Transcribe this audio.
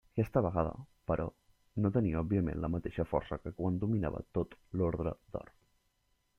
Aquesta vegada, però, no tenia òbviament la mateixa força que quan dominava tot l'Orde d'Or.